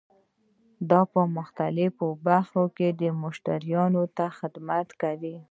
دا په مختلفو برخو کې مشتریانو ته خدمت کوي.